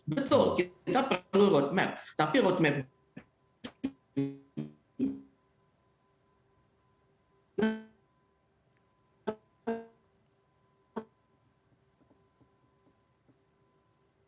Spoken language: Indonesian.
betul kita perlu jalan jalanan tapi jalan jalanan